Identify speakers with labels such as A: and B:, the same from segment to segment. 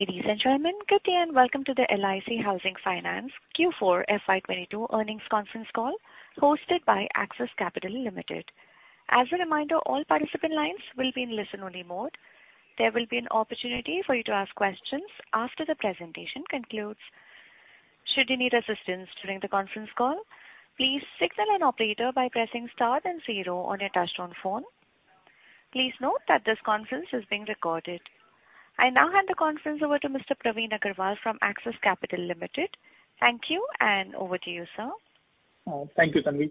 A: Ladies and gentlemen, good day and welcome to the LIC Housing Finance Q4 FY22 earnings conference call hosted by Axis Capital Limited. As a reminder, all participant lines will be in listen-only mode. There will be an opportunity for you to ask questions after the presentation concludes. Should you need assistance during the conference call, please signal an operator by pressing star then zero on your touchtone phone. Please note that this conference is being recorded. I now hand the conference over to Mr. Praveen Agarwal from Axis Capital Limited. Thank you, and over to you, sir.
B: Thank you, Sandeep.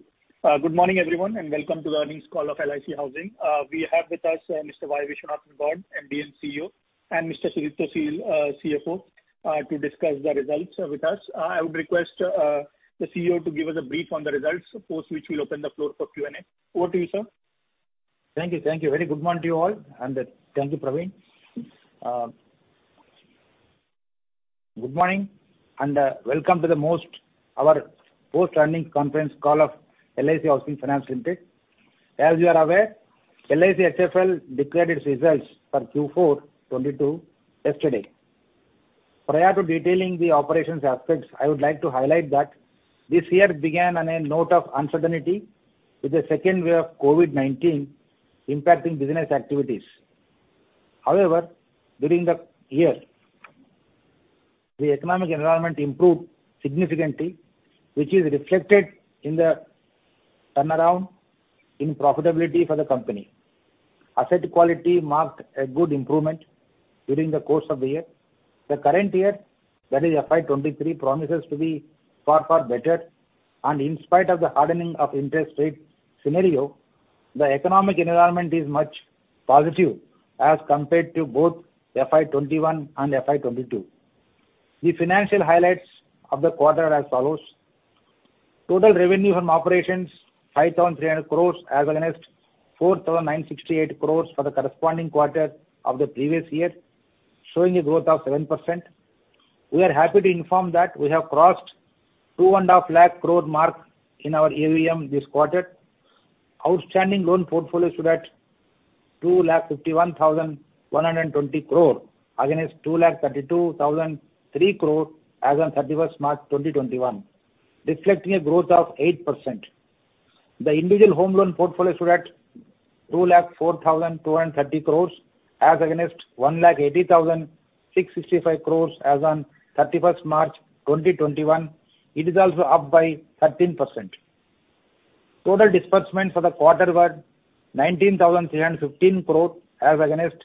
B: Good morning, everyone, and welcome to the earnings call of LIC Housing Finance. We have with us Mr. Y. Vishwanathan, Board, MD & CEO, and Mr. Sreejith Syal, CFO, to discuss the results with us. I would request the CEO to give us a brief on the results, of course, which we'll open the floor for Q&A. Over to you, sir.
C: Thank you. Very good morning to you all, and thank you, Praveen. Good morning and welcome to our post-earnings conference call of LIC Housing Finance Limited. As you are aware, LIC HFL declared its results for Q4 2022 yesterday. Prior to detailing the operations aspects, I would like to highlight that this year began on a note of uncertainty with the second wave of COVID-19 impacting business activities. However, during the year, the economic environment improved significantly, which is reflected in the turnaround in profitability for the company. Asset quality marked a good improvement during the course of the year. The current year, that is FY 2023, promises to be far, far better. In spite of the hardening of interest rate scenario, the economic environment is much positive as compared to both FY 2021 and FY 2022. The financial highlights of the quarter are as follows. Total revenue from operations, 5,300 crore as against 4,968 crore for the corresponding quarter of the previous year, showing a growth of 7%. We are happy to inform that we have crossed two and half lakh crore mark in our AUM this quarter. Outstanding loan portfolio stood at 2,51,120 crore, against 2,32,003 crore as on 31 March 2021, reflecting a growth of 8%. The individual home loan portfolio stood at 2,04,230 crore as against 1,80,665 crore as on 31 March 2021. It is also up by 13%. Total disbursements for the quarter were 19,315 crore as against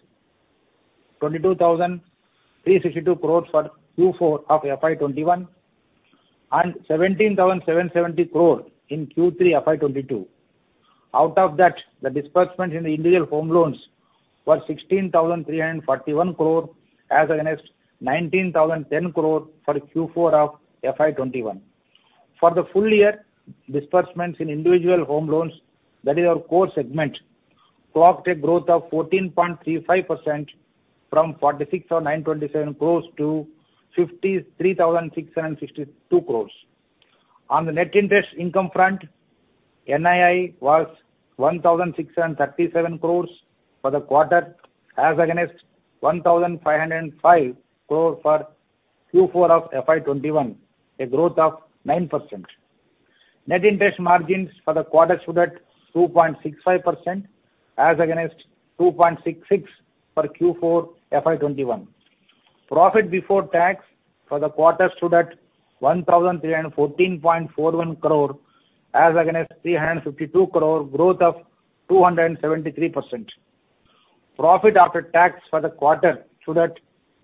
C: 22,362 crore for Q4 of FY 2021 and 17,770 crore in Q3 FY 2022. Out of that, the disbursements in the individual home loans were 16,341 crore as against 19,010 crore for Q4 of FY 2021. For the full year, disbursements in individual home loans, that is our core segment, clocked a growth of 14.35% from 46,927 crore to 53,662 crore. On the net interest income front, NII was 1,637 crore for the quarter as against 1,505 crore for Q4 of FY 2021, a growth of 9%. Net interest margins for the quarter stood at 2.65% as against 2.66 for Q4 FY21. Profit before tax for the quarter stood at 1,314.41 crore as against 352 crore, growth of 273%. Profit after tax for the quarter stood at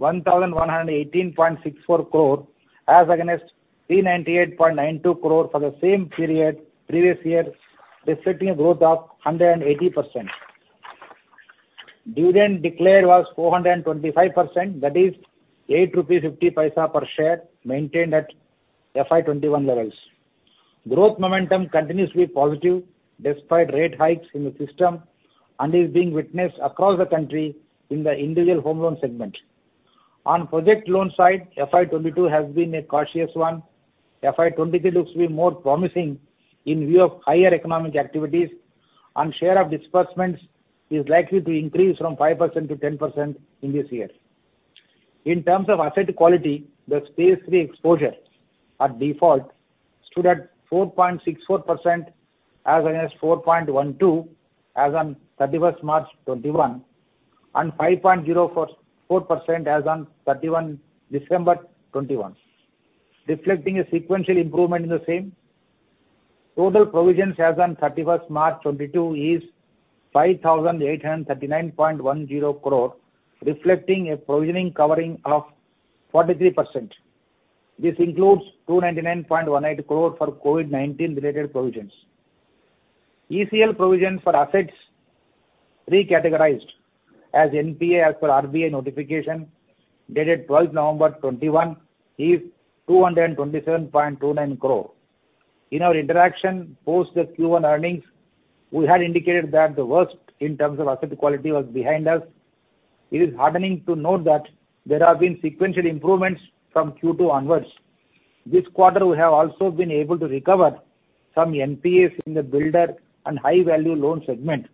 C: 1,118.64 crore as against 398.92 crore for the same period previous year, reflecting a growth of 180%. Dividend declared was 425%, that is 8.50 rupees per share, maintained at FY21 levels. Growth momentum continues to be positive despite rate hikes in the system and is being witnessed across the country in the individual home loan segment. On project loan side, FY 2022 has been a cautious one. FY 2023 looks to be more promising in view of higher economic activities and share of disbursements is likely to increase from 5% to 10% in this year. In terms of asset quality, the Stage Three exposure at default stood at 4.64% as against 4.12% as on 31 March 2021, and 5.04% as on 31 December 2021, reflecting a sequential improvement in the same. Total provisions as on 31 March 2022 is 5,839.10 crore, reflecting a provision coverage of 43%. This includes 299.18 crore for COVID-19 related provisions. ECL provision for assets recategorized as NPA as per RBI notification dated 12 November 2021 is 227.29 crore. In our interaction post the Q1 earnings, we had indicated that the worst in terms of asset quality was behind us. It is heartening to note that there have been sequential improvements from Q2 onwards. This quarter, we have also been able to recover some NPAs in the builder and high value loan segment,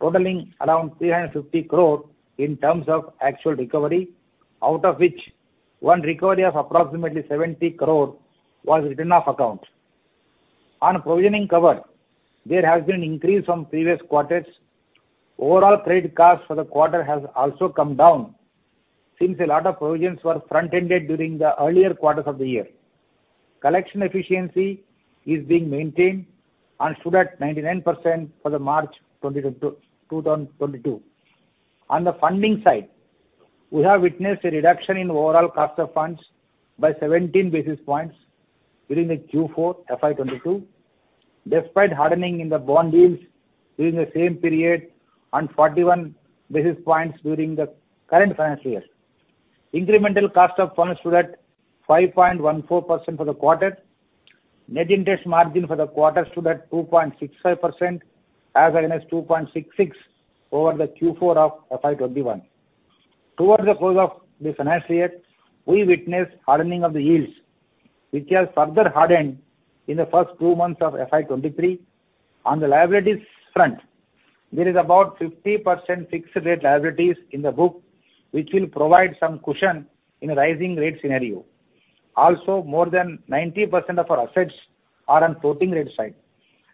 C: totaling around 350 crore in terms of actual recovery, out of which one recovery of approximately 70 crore was written off account. On provisioning cover, there has been increase from previous quarters. Overall credit cost for the quarter has also come down since a lot of provisions were front-ended during the earlier quarters of the year. Collection efficiency is being maintained and stood at 99% for the March quarter, 2022. On the funding side, we have witnessed a reduction in overall cost of funds by 17 basis points during the Q4 FY 2022, despite hardening in the bond yields during the same period and 41 basis points during the current financial year. Incremental cost of funds stood at 5.14% for the quarter. Net interest margin for the quarter stood at 2.65% as against 2.66% over the Q4 of FY 2021. Towards the close of this financial year, we witnessed hardening of the yields, which has further hardened in the first two months of FY 2023. On the liabilities front, there is about 50% fixed rate liabilities in the book, which will provide some cushion in a rising rate scenario. Also, more than 90% of our assets are on floating rate side.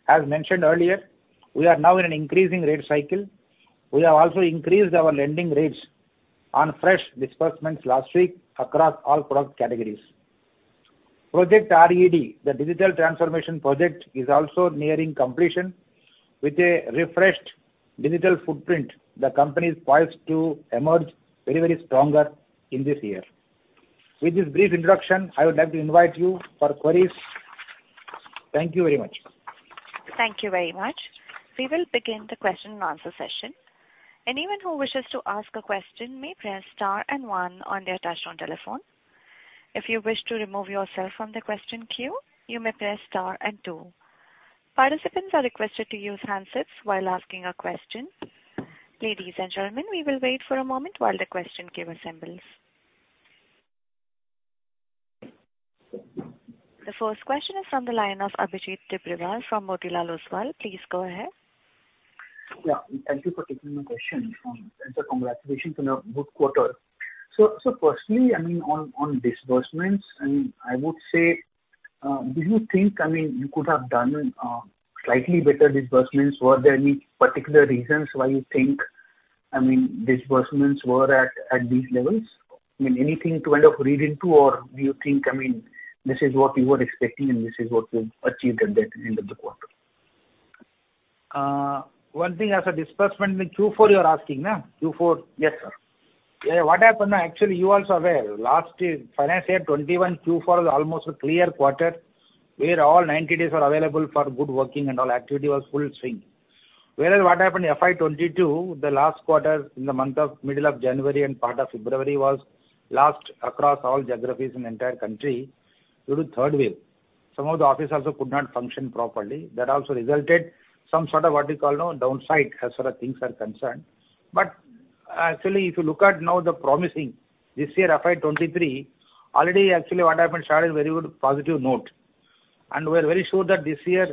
C: As mentioned earlier, we are now in an increasing rate cycle. We have also increased our lending rates on fresh disbursements last week across all product categories. Project RED, the digital transformation project, is also nearing completion. With a refreshed digital footprint, the company is poised to emerge very, very stronger in this year. With this brief introduction, I would like to invite you for queries. Thank you very much.
A: Thank you very much. We will begin the question and answer session. Anyone who wishes to ask a question may press star and one on their touchtone telephone. If you wish to remove yourself from the question queue, you may press star and two. Participants are requested to use handsets while asking a question. Ladies and gentlemen, we will wait for a moment while the question queue assembles. The first question is from the line of Abhijit Tibrewal from Motilal Oswal. Please go ahead.
D: Yeah. Thank you for taking my question. Congratulations on a good quarter. Personally, I mean, on disbursements, I mean, I would say, do you think, I mean, you could have done slightly better disbursements? Were there any particular reasons why you think, I mean, disbursements were at these levels? I mean, anything to kind of read into or do you think, I mean, this is what you were expecting and this is what you achieved at the end of the quarter?
C: One thing as a disbursement in Q4 you are asking, nah? Q4.
D: Yes, sir.
C: Yeah. What happened now, actually you also aware last year, financial year 2021, Q4 was almost a clear quarter where all 90 days were available for good working and all activity was full swing. Whereas what happened FY 2022, the last quarter in the month of middle of January and part of February was lost across all geographies in the entire country due to third wave. Some of the office also could not function properly. That also resulted some sort of downside as far as things are concerned. Actually if you look at now the promising this year, FY 2023, already actually what happened, started very good positive note. We are very sure that this year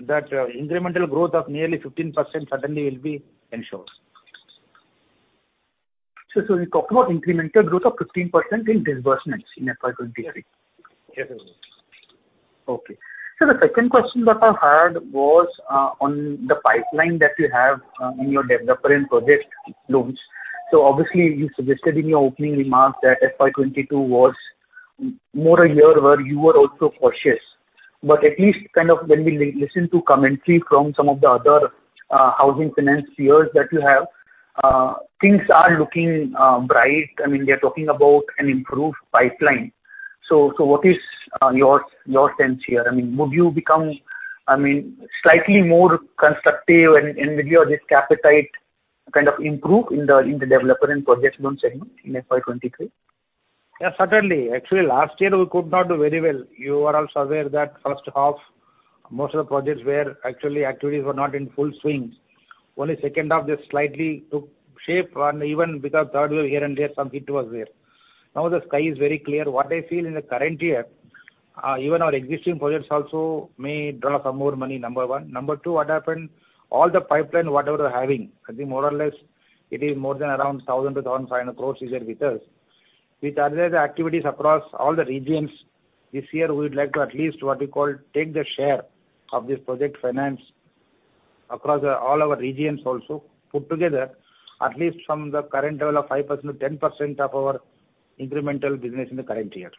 C: that, incremental growth of nearly 15% certainly will be ensured.
D: You're talking about incremental growth of 15% in disbursements in FY 2023?
C: Yes.
D: Okay. Sir, the second question that I had was on the pipeline that you have in your developer and project loans. Obviously you suggested in your opening remarks that FY 2022 was more a year where you were also cautious. But at least kind of when we listen to commentary from some of the other housing financiers that you have, things are looking bright. I mean, they are talking about an improved pipeline. What is your sense here? I mean, would you become, I mean, slightly more constructive and with your risk appetite kind of improve in the developer and project loan segment in FY 2023?
C: Yeah, certainly. Actually, last year we could not do very well. You are also aware that first half, most of the projects' activities were not in full swing. Only second half just slightly took shape and even because third wave here and there, some hit was there. Now the sky is very clear. What I feel in the current year, even our existing projects also may draw some more money, number one. Number two, what happened, all the pipeline, whatever we're having, I think more or less it is more than around 1,000-1,500 crore is there with us. With other activities across all the regions, this year we would like to at least, what you call, take the share of this project finance across, all our regions also. Put together at least from the current level of 5% to 10% of our incremental business in the current year.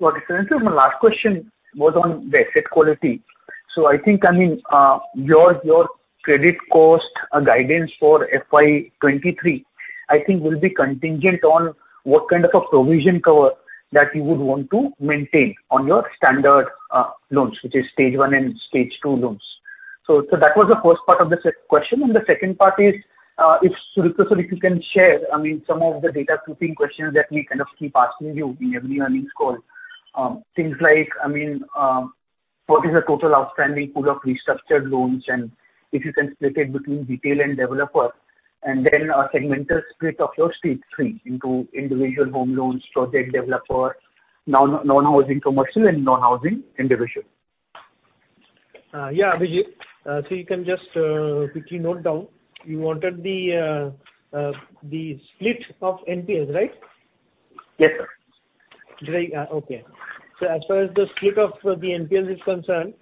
D: Got it. Sir, my last question was on the asset quality. I think, I mean, your credit cost guidance for FY 2023, I think will be contingent on what kind of a provision cover that you would want to maintain on your standard loans, which is stage one and stage two loans. That was the first part of the question. The second part is, if Surit Sir, if you can share, I mean, some of the data keeping questions that we kind of keep asking you in every earnings call. Things like, I mean, what is the total outstanding pool of restructured loans, and if you can split it between retail and developer, and then a segmental split of your stage three into individual home loans, project developer, non-housing commercial and non-housing individual.
E: Yeah, Abhijit. You can just quickly note down. You wanted the split of NPAs, right?
D: Yes, sir.
E: As far as the split of the NPA is concerned,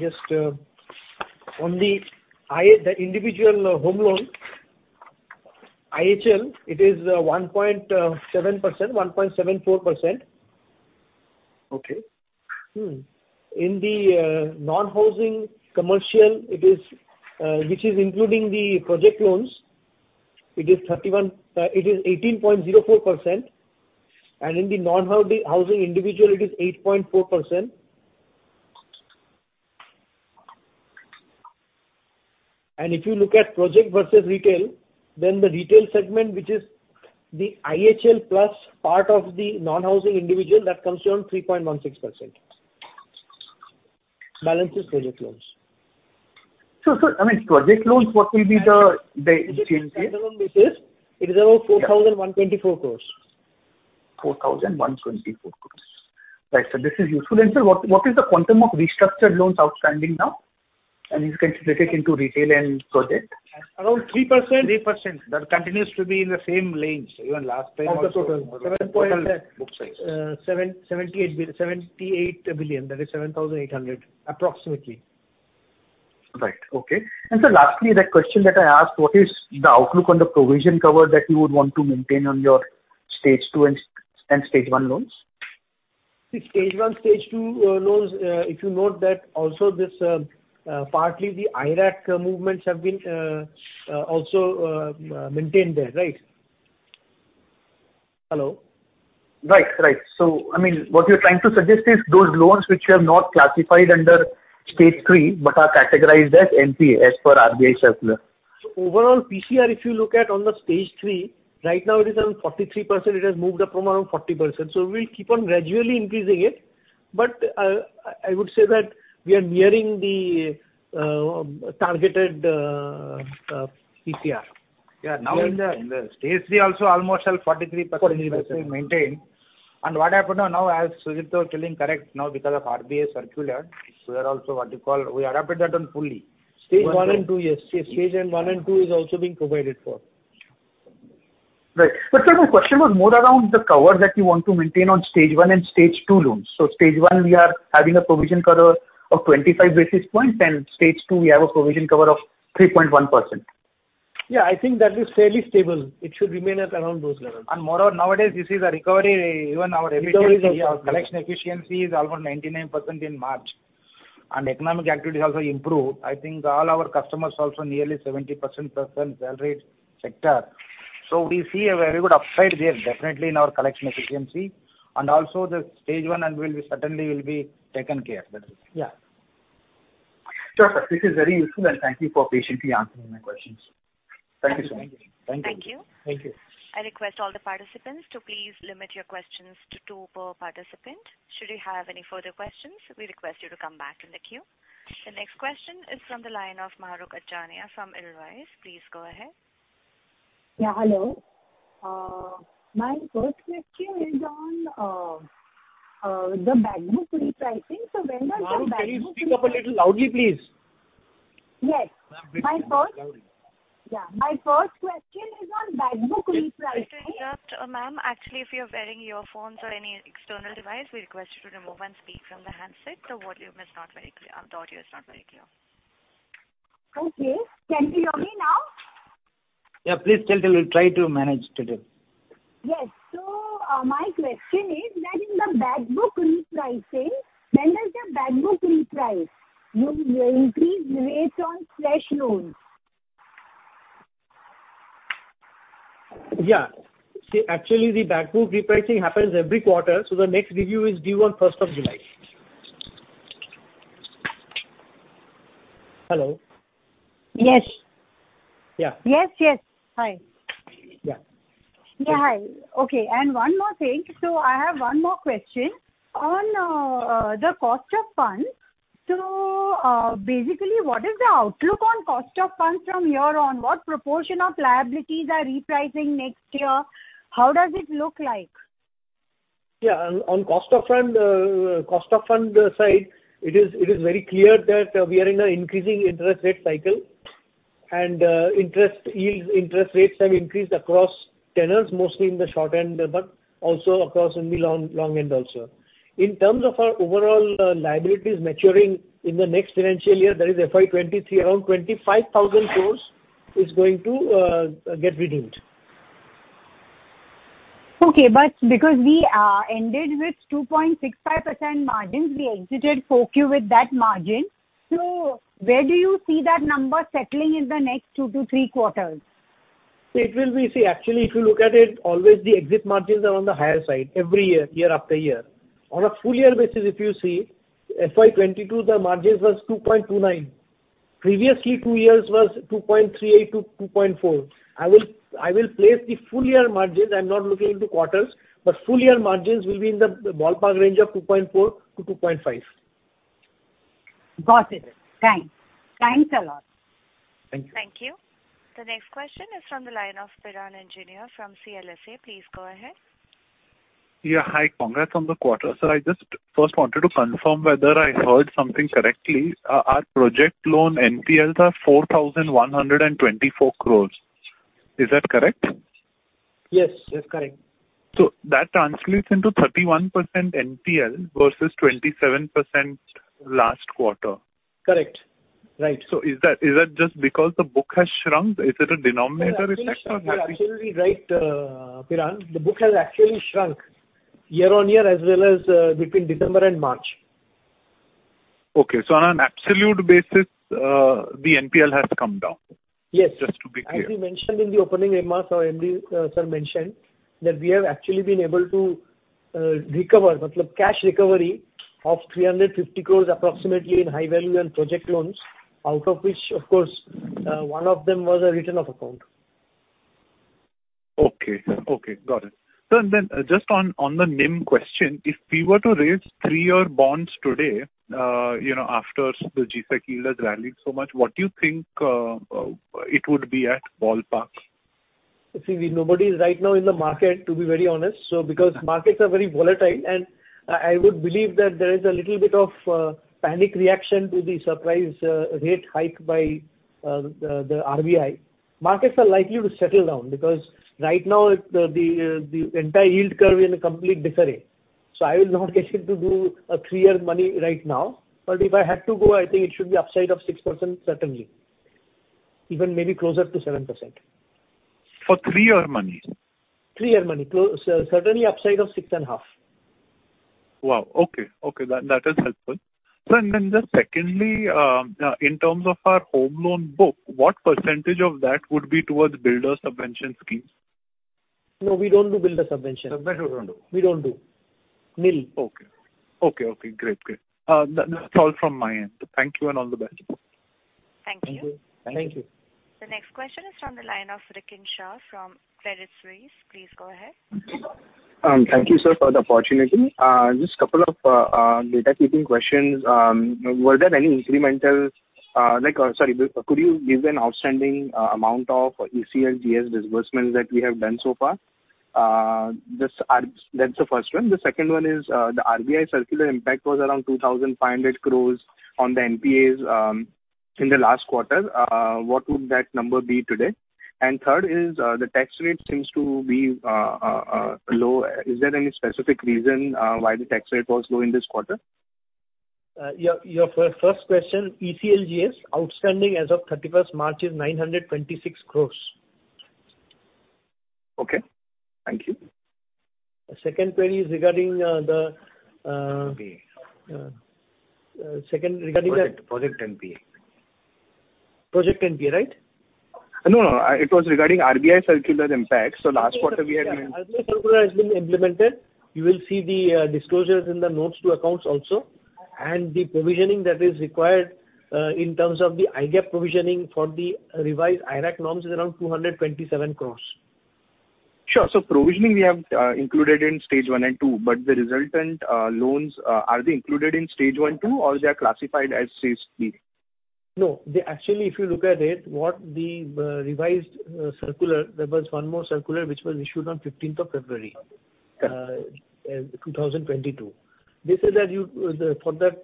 E: just on the individual home loan, IHL, it is 1.74%.
D: Okay.
E: In the non-housing commercial, which is including the project loans, it is 31, it is 18.04%. In the non-housing individual it is 8.4%. If you look at project versus retail, then the retail segment which is the IHL plus part of the non-housing individual that comes to around 3.16%. Balance is project loans.
D: I mean, project loans, what will be the change here?
E: It is around 4,124 crores.
D: 4,124 crores. Right. This is useful. Sir, what is the quantum of restructured loans outstanding now? If you can split it into retail and project.
E: Around 3%.
D: 3%. That continues to be in the same range even last time also.
E: Of the total. 7 point
D: Total book size.
E: 78 billion, that is 7,800 approximately.
D: Right. Okay. sir, lastly, the question that I asked, what is the outlook on the provision cover that you would want to maintain on your stage two and stage one loans?
E: See, stage one, stage two, loans, if you note that also this, partly the IRAC movements have been, also, maintained there, right? Hello?
D: Right. I mean, what you're trying to suggest is those loans which you have not classified under stage three but are categorized as NPA as per RBI circular.
E: Overall PCR, if you look at on the Stage 3, right now it is around 43%. It has moved up from around 40%. We'll keep on gradually increasing it. I would say that we are nearing the targeted PCR.
C: Now in the stage three also almost around 43% is being maintained. What happened now as Sujit was telling correct now because of RBI circular, we are also what you call, we adopted that one fully.
E: Stage 1 and 2, yes. Stage 1 and 2 is also being provided for.
D: Right. Sir, my question was more around the cover that you want to maintain on Stage 1 and Stage 2 loans. Stage 1 we are having a provision cover of 25 basis points, and Stage 2 we have a provision cover of 3.1%.
E: Yeah, I think that is fairly stable. It should remain at around those levels.
C: Moreover, nowadays you see the recovery even our collection efficiency is almost 99% in March, and economic activities also improved. I think all our customers also nearly 70% plus are salary sector. We see a very good upside there definitely in our collection efficiency and also the stage one and will be certainly taken care, that is.
E: Yeah.
D: Sure, sir. This is very useful and thank you for patiently answering my questions. Thank you, sir.
E: Thank you.
D: Thank you.
E: Thank you.
A: I request all the participants to please limit your questions to two per participant. Should you have any further questions, we request you to come back in the queue. The next question is from the line of Mahrukh Adajania from Edelweiss. Please go ahead.
F: Yeah, hello. My first question is on the back book repricing. When does the back book-
E: Mahrukh, can you speak up a little loudly, please?
F: Yes.
C: Ma'am, a bit more loudly.
F: Yeah. My first question is on back book repricing.
A: Just to interrupt. Ma'am, actually, if you're wearing earphones or any external device, we request you to remove and speak from the handset. The volume is not very clear. The audio is not very clear.
F: Okay. Can you hear me now?
E: Yeah. Please tell. We'll try to manage today.
F: Yes. My question is that in the back book repricing, when does the back book reprice? You increased rates on fresh loans.
E: Yeah. See, actually the back book repricing happens every quarter, so the next review is due on first of July. Hello?
F: Yes.
E: Yeah.
F: Yes. Yes. Hi.
E: Yeah.
F: Okay, one more thing. I have one more question on the cost of funds. Basically, what is the outlook on cost of funds from here on? What proportion of liabilities are repricing next year? How does it look like?
E: Yeah. On cost of fund side, it is very clear that we are in a increasing interest rate cycle, and interest yields, interest rates have increased across tenors, mostly in the short end, but also across in the long end also. In terms of our overall liabilities maturing in the next financial year, that is FY 2023, around 25,000 crore is going to get redeemed.
F: Because we ended with 2.65% margins, we exited 4Q with that margin. Where do you see that number settling in the next 2-3 quarters?
E: It will be. See, actually if you look at it, always the exit margins are on the higher side every year after year. On a full year basis, if you see, FY 2022 the margins was 2.29%. Previous two years was 2.38%-2.4%. I will place the full year margins. I'm not looking into quarters, but full year margins will be in the ballpark range of 2.4%-2.5%.
F: Got it. Thanks. Thanks a lot.
E: Thank you.
A: Thank you. The next question is from the line of Biran Engineer from CLSA. Please go ahead.
G: Yeah. Hi. Congrats on the quarter. Sir, I just first wanted to confirm whether I heard something correctly. Our project loan NPLs are 4,124 crores. Is that correct?
E: Yes, that's correct.
G: that translates into 31% NPL versus 27% last quarter.
E: Correct. Right.
G: Is that just because the book has shrunk? Is it a denominator effect?
E: You're absolutely right, Biran. The book has actually shrunk year on year as well as between December and March.
G: Okay. On an absolute basis, the NPL has come down.
E: Yes.
G: Just to be clear.
E: As we mentioned in the opening remarks, our MD, sir mentioned that we have actually been able to recover, matlab cash recovery of 350 crore approximately in high value and project loans, out of which of course, one of them was a written off account.
G: Okay. Got it. Sir, just on the NIM question, if we were to raise 3-year bonds today, you know, after the G-Sec yields rallied so much, what do you think it would be at ballpark?
E: See, nobody is right now in the market to be very honest. Because markets are very volatile and I would believe that there is a little bit of panic reaction to the surprise rate hike by the RBI. Markets are likely to settle down because right now the entire yield curve is in a complete disarray. I will not get into a three-year money right now. If I had to go, I think it should be upside of 6% certainly. Even maybe closer to 7%.
G: For three-year money?
E: 3-year money. Certainly upside of 6.5%.
G: Wow. Okay, that is helpful. Sir, just secondly, in terms of our home loan book, what percentage of that would be towards builder subvention schemes?
E: No, we don't do builder subvention.
G: Subvention you don't do.
E: We don't do. Nil.
G: Okay. Great. That's all from my end. Thank you and all the best.
A: Thank you.
E: Thank you.
A: The next question is from the line of Rikin Shah from Credit Suisse. Please go ahead.
H: Thank you sir, for the opportunity. Just couple of housekeeping questions. Could you give an outstanding amount of ECLGS disbursements that we have done so far? That's the first one. The second one is, the RBI circular impact was around 2,500 crores on the NPAs in the last quarter. What would that number be today? Third is, the tax rate seems to be low. Is there any specific reason why the tax rate was low in this quarter?
E: Your first question, ECLGS outstanding as of 31 March is 926 crores.
H: Okay. Thank you.
E: Second query is regarding the
H: NPA.
E: Second regarding the-
H: Project NPA.
E: Project NPA, right?
H: No, no. It was regarding RBI circular impact. Last quarter we had mentioned.
E: RBI circular has been implemented. You will see the disclosures in the notes to accounts also. The provisioning that is required in terms of the IRAC provisioning for the revised IRAC norms is around 227 crores.
H: Sure. Provisioning we have included in Stage 1 and 2, but the resultant loans, are they included in Stage 1 too or they are classified as Stage 3?
E: No. They actually, if you look at it, what the revised circular, there was one more circular which was issued on 15th of February 2022. They said that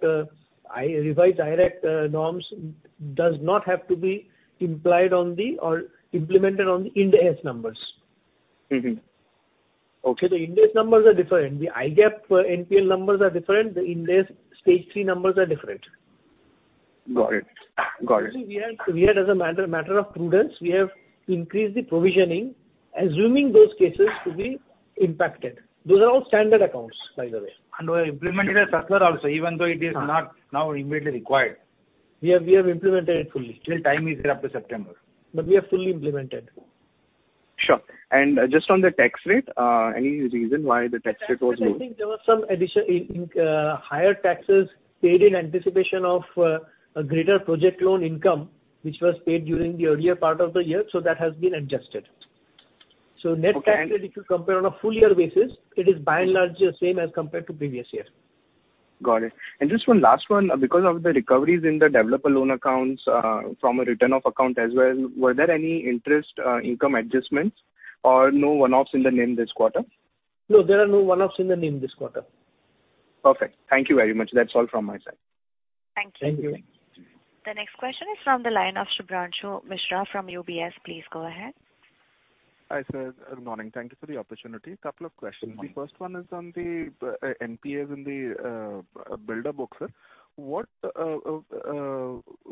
E: the revised IRAC norms does not have to be applied or implemented on the Ind AS numbers.
H: Okay.
E: Ind AS numbers are different. The IRAC NPL numbers are different. The Ind AS stage three numbers are different.
H: Got it. Got it.
E: We had as a matter of prudence, we have increased the provisioning assuming those cases to be impacted. Those are all standard accounts, by the way.
H: Were implemented as such, sir, also, even though it is not now immediately required.
E: We have implemented it fully.
H: Still time is there up to September.
E: We have fully implemented.
H: Sure. Just on the tax rate, any reason why the tax rate was low?
E: I think there was some addition in higher taxes paid in anticipation of a greater project loan income which was paid during the earlier part of the year, so that has been adjusted. Net tax rate-
H: Okay.
E: If you compare on a full year basis, it is by and large the same as compared to previous year.
H: Got it. Just one last one. Because of the recoveries in the developer loan accounts, from a written off account as well, were there any interest income adjustments or no one-offs in the NIM this quarter?
E: No, there are no one-offs in the NIM this quarter.
H: Perfect. Thank you very much. That's all from my side.
A: Thank you.
E: Thank you.
A: The next question is from the line of Shubhanshu Mishra from UBS. Please go ahead.
I: Hi, sir. Good morning. Thank you for the opportunity. Couple of questions.
E: Good morning.
I: The first one is on the NPAs in the builder book, sir. What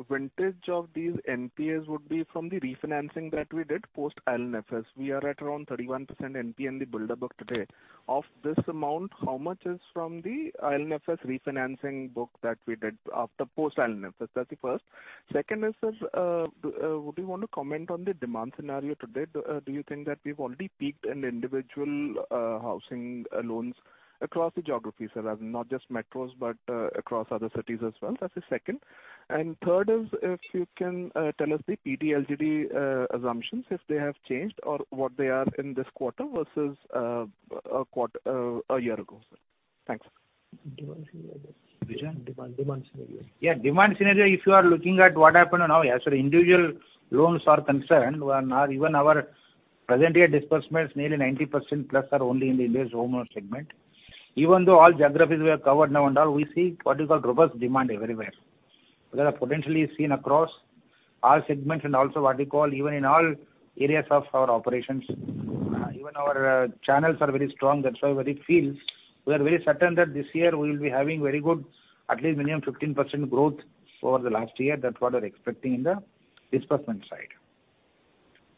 I: vintage of these NPAs would be from the refinancing that we did post IL&FS? We are at around 31% NPA in the builder book today. Of this amount, how much is from the IL&FS refinancing book that we did after post IL&FS? That's the first. Second is, sir, would you want to comment on the demand scenario today? Do you think that we've already peaked in individual housing loans across the geographies, sir? As in not just metros, but across other cities as well. That's the second. Third is if you can tell us the PD LGD assumptions, if they have changed or what they are in this quarter versus a year ago, sir? Thanks.
E: Demand scenario.
C: Which one?
E: Demand scenario.
C: Yeah, demand scenario, if you are looking at what happened now as far as our individual loans are concerned, in our present year disbursements nearly 90% plus are only in the individual home loan segment. Even though all geographies were covered, and all, we see what you call robust demand everywhere. There's potential seen across all segments and also what you call even in all areas of our operations. Even our channels are very strong. That's why we feel we are very certain that this year we will be having very good at least minimum 15% growth over the last year. That's what we're expecting in the disbursement side.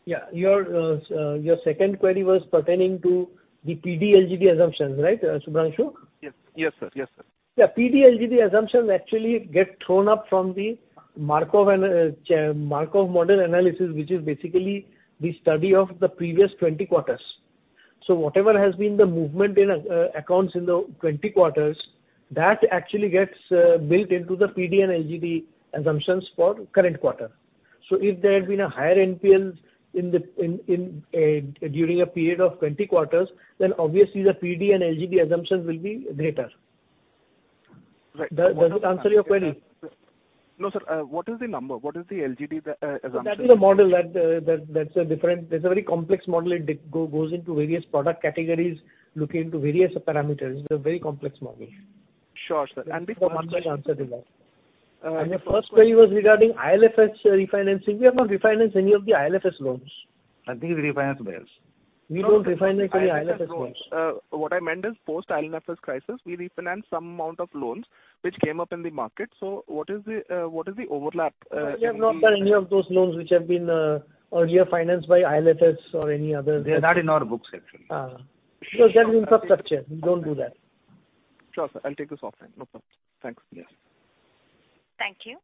E: Yeah. Your second query was pertaining to the PD LGD assumptions, right, Shubhanshu?
I: Yes. Yes, sir. Yes, sir.
E: Yeah. PD LGD assumptions actually get thrown up from the Markov model analysis, which is basically the study of the previous 20 quarters. Whatever has been the movement in accounts in the 20 quarters, that actually gets built into the PD and LGD assumptions for current quarter. If there had been a higher NPLs in the during a period of 20 quarters, then obviously the PD and LGD assumptions will be greater.
I: Right.
E: Does it answer your query?
I: No, sir. What is the number? What is the LGD assumption?
E: That is a model. That's a very complex model. It goes into various product categories, look into various parameters. It's a very complex model.
I: Sure, sir. Before one question-
E: The first query was regarding IL&FS refinancing. We have not refinanced any of the IL&FS loans.
C: I think he refinanced theirs.
E: We don't refinance any IL&FS loans.
I: What I meant is post IL&FS crisis, we refinanced some amount of loans which came up in the market. What is the overlap in the-
E: We have not done any of those loans which have been earlier financed by IL&FS or any other.
C: They are not in our books actually.
E: Because that's infrastructure, we don't do that.
I: Sure, sir. I'll take this offline. No problem. Thanks.
C: Yes.
A: Thank you.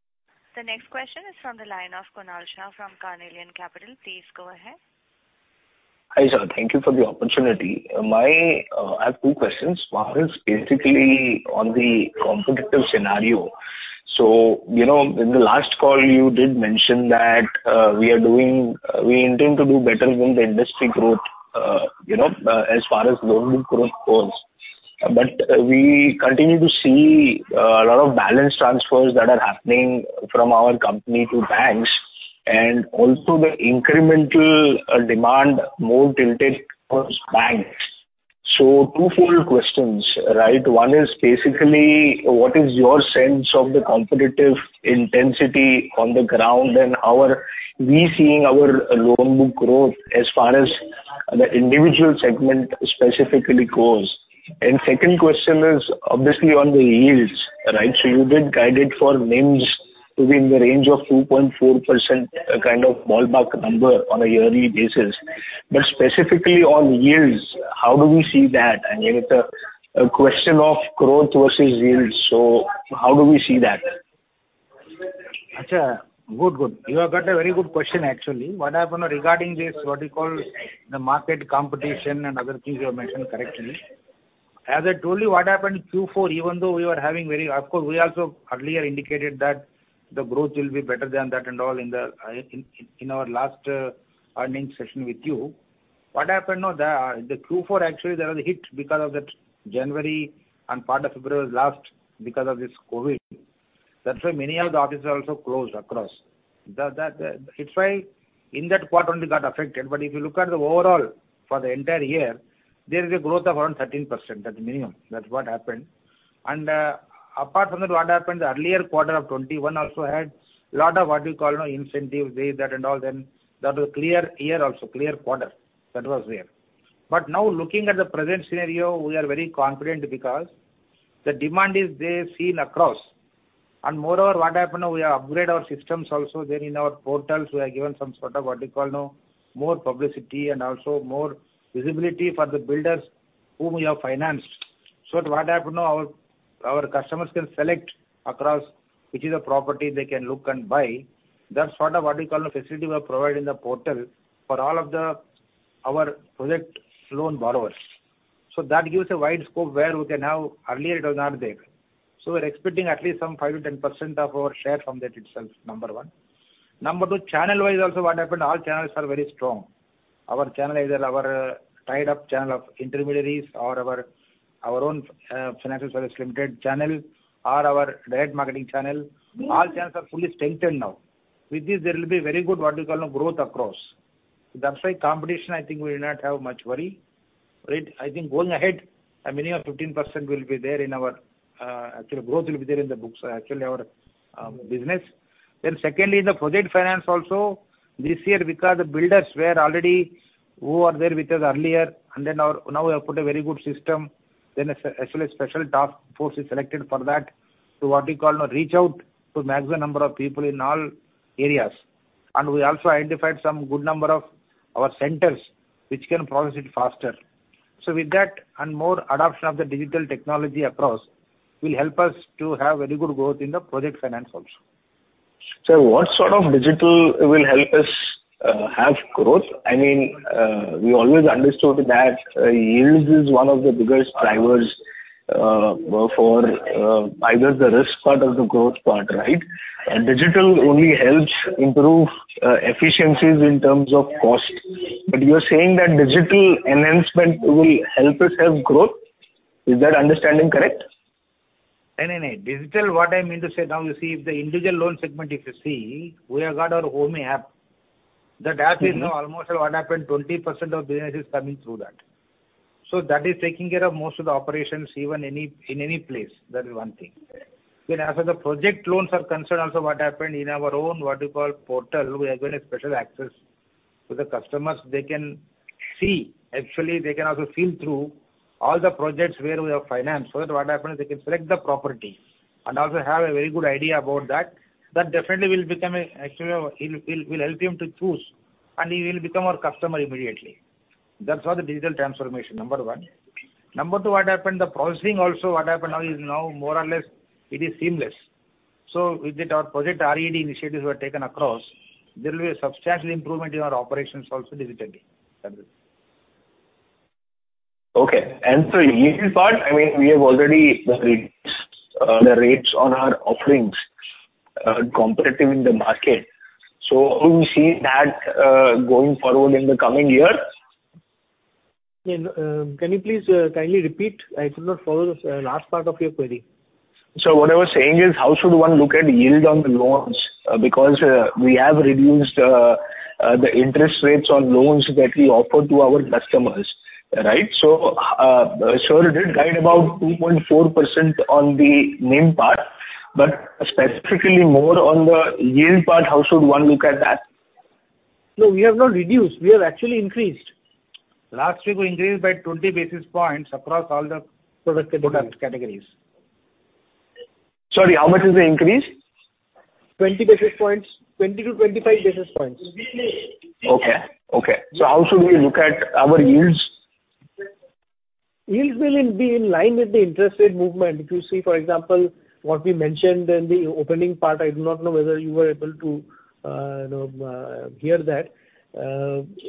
A: The next question is from the line of Kunal Shah from Carnelian Capital. Please go ahead.
J: Hi, sir. Thank you for the opportunity. I have two questions. One is basically on the competitive scenario. You know, in the last call you did mention that we intend to do better than the industry growth, you know, as far as loan book growth goes. We continue to see a lot of balance transfers that are happening from our company to banks and also the incremental demand more tilted towards banks. Two-fold questions, right? One is basically what is your sense of the competitive intensity on the ground and how are we seeing our loan book growth as far as the individual segment specifically goes? Second question is obviously on the yields, right? You did guide it for NIMs to be in the range of 2.4% kind of ballpark number on a yearly basis. Specifically on yields, how do we see that? With the question of growth versus yields, how do we see that?
C: Okay. Good. Good. You have got a very good question actually. What happened regarding this, what you call the market competition and other things you have mentioned correctly. As I told you, what happened Q4, even though we were having. Of course, we also earlier indicated that the growth will be better than that and all in our last earnings session with you. What happened now, Q4 actually there was a hit because of that January and part of February was lost because of this COVID. That's why many of the offices are also closed across. It's why in that quarter only got affected. If you look at the overall for the entire year, there is a growth of around 13% at minimum. That's what happened. Apart from that, what happened earlier quarter of 2021 also had a lot of what you call, you know, incentives, this, that and all. Then that was clear year also, clear quarter. That was there. But now looking at the present scenario, we are very confident because the demand is there seen across. Moreover, what happened now we have upgrade our systems also there in our portals. We have given some sort of, what do you call now, more publicity and also more visibility for the builders whom we have financed. So what happened now our customers can select across which is a property they can look and buy. That's sort of what we call facility we are providing the portal for all of the, our project loan borrowers. So that gives a wide scope where we can have. Earlier it was not there. We're expecting at least some 5%-10% of our share from that itself, number one. Number two, channel-wise also what happened, all channels are very strong. Our channel, either our tied-up channel of intermediaries or our own Financial Services Limited channel or our direct marketing channel, all channels are fully strengthened now. With this there will be very good, what you call now, growth across. That's why competition I think we will not have much worry. I think going ahead, a minimum 15% will be there in our actually growth will be there in the books, actually our business. Secondly, the project finance also this year because the builders were already who are there with us earlier and then our, now we have put a very good system. Actually, a special task force is selected for that to what you call now reach out to maximum number of people in all areas. We also identified some good number of our centers which can process it faster. With that and more adoption of the digital technology across will help us to have very good growth in the project finance also.
J: Sir, what sort of digital will help us have growth? I mean, we always understood that yields is one of the biggest drivers for either the risk part or the growth part, right? Digital only helps improve efficiencies in terms of cost. You're saying that digital enhancement will help us have growth. Is that understanding correct?
C: No, no. Digital, what I meant to say, now you see if the individual loan segment if you see, we have got our HOMY app. That app is now almost what happened, 20% of business is coming through that. That is taking care of most of the operations, even any, in any place. That is one thing. As the project loans are concerned also what happened in our own what you call portal, we have given a special access to the customers. They can see. Actually, they can also see through all the projects where we have financed. That what happens they can select the property and also have a very good idea about that. That definitely will help him to choose, and he will become our customer immediately. That's all the digital transformation, number one. Number two, what happened, the processing also what happened now is more or less it is seamless. With that our Project RED initiatives were taken across. There will be a substantial improvement in our operations also digitally. That's it.
J: Yield part, I mean, we have already reduced the rates on our offerings, competitive in the market. How do we see that going forward in the coming years?
C: Yeah, no, can you please kindly repeat? I could not follow the last part of your query.
J: What I was saying is how should one look at yield on the loans? Because we have reduced the interest rates on loans that we offer to our customers, right? Sir did guide about 2.4% on the NIM part, but specifically more on the yield part, how should one look at that?
C: No, we have not reduced. We have actually increased. Last week we increased by 20 basis points across all the product categories.
J: Product categories. Sorry, how much is the increase?
C: 20 basis points. 20-25 basis points.
J: Okay. How should we look at our yields?
C: Yields will be in line with the interest rate movement. If you see, for example, what we mentioned in the opening part, I do not know whether you were able to, you know, hear that.